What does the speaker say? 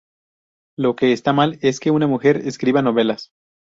Lo que está mal es que una mujer escriba novelas".